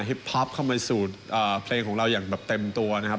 ฮิปพอปเข้ามาสูดเพลงของเราอย่างเต็มตัวนะครับ